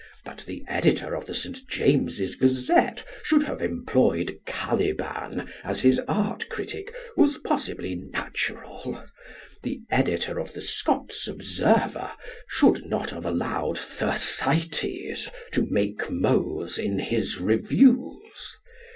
That the editor of the St. James's Gazette should have employed Caliban as his art critic was possibly natural. The editor of the Scots Observer should not have allowed Thersites to make mows in his reviews.